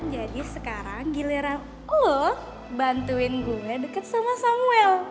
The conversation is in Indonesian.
jadi sekarang giliran lo bantuin gue deket sama samuel